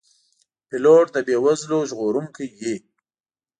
پیلوټ د بې وزلو ژغورونکی وي.